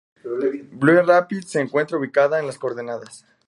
Blue Rapids se encuentra ubicada en las coordenadas.